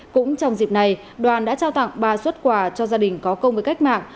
cũng trong dịp này đoàn đã trao tặng ba xuất quà cho gia đình có công với cách mạng